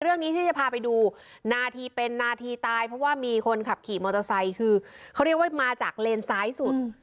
เรื่องนี้ที่จะพาไปดูนาทีเป็นนาทีตายเพราะว่ามีคนขับขี่มอเตอร์ไซค์คือเขาเรียกว่ามาจากเลนซ้ายสุด